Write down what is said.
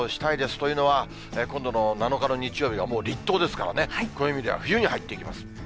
というのは、今度の７日の日曜日はもう立冬ですからね、暦では冬に入っていきます。